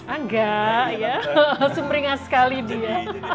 angga ya langsungringah sekali dia